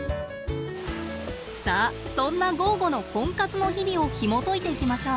さあそんなゴーゴのコンカツの日々をひもといていきましょう！